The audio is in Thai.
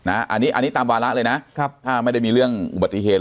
อันนี้ตามวาระเลยนะถ้าไม่ได้มีเรื่องอุบัติเหตุ